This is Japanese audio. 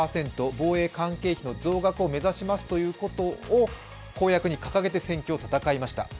防衛関係費の増額を目指しますということを公約に掲げて選挙を戦いました。